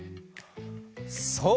そう！